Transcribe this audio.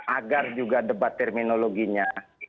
agar juga debat terminologinya